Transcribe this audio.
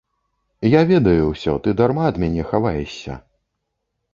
Я ведаю ўсё, ты дарма ад мяне хаваешся.